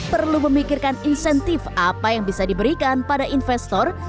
perlu memikirkan insentif apa yang bisa diberikan pada investor